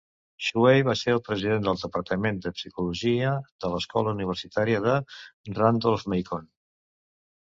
Shuey va ser el president del departament de psicologia de l'Escola Universitària de Randolph-Macon.